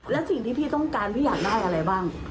และสิ่งที่พี่ต้องการพี่อยากได้อะไรบ้าง